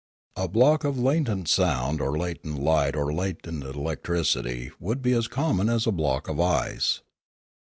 A block of latent sound or latent light or latent electricity would be as common as a block of ice.